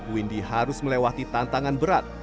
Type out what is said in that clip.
windy harus melewati tantangan berat